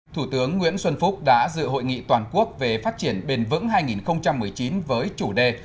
thủ tướng nguyễn xuân phúc đã dự hội nghị toàn quốc về phát triển bền vững hai nghìn một mươi chín với chủ đề